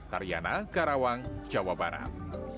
tariana karawang jawa barat